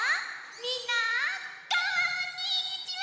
みんなこんにちは！